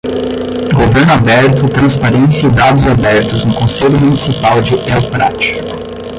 Governo aberto, transparência e dados abertos no Conselho Municipal de El Prat.